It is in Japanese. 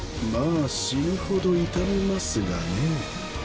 まあ死ぬほど痛みますがね。